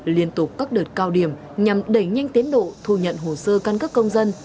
liên tục các đợt cao điểm nhằm đẩy nhanh tiến độ thu nhận hồ sơ căn cấp công dân